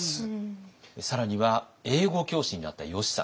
更には英語教師になったよしさん。